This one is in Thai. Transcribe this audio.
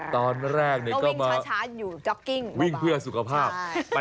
ตอนแรกเนี่ยก็มาช้าอยู่จ๊อกกิ้งวิ่งเพื่อสุขภาพ